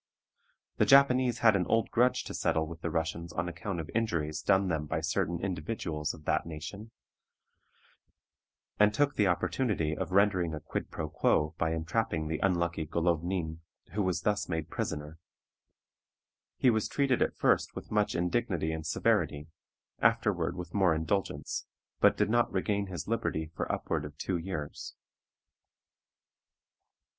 The Japanese had an old grudge to settle with the Russians on account of injuries done them by certain individuals of that nation, and took the opportunity of rendering a quid pro quo by entrapping the unlucky Golownin, who was thus made prisoner. He was treated at first with much indignity and severity; afterward with more indulgence, but did not regain his liberty for upward of two years.